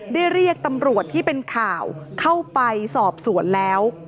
เรียกตำรวจที่เป็นข่าวเข้าไปสอบสวนแล้ว